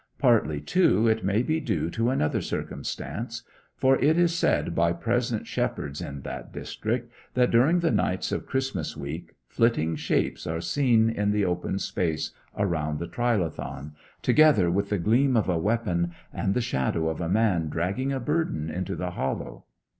Partly, too, it may be due to another circumstance. For it is said by present shepherds in that district that during the nights of Christmas week flitting shapes are seen in the open space around the trilithon, together with the gleam of a weapon, and the shadow of a man dragging a burden into the hollow.